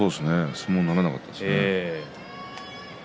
相撲にならなかったですね。